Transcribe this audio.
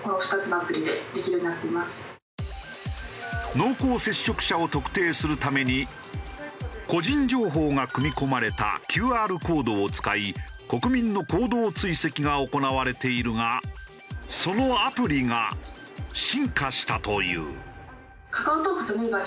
濃厚接触者を特定するために個人情報が組み込まれたＱＲコードを使い国民の行動追跡が行われているがそのアプリが進化したという。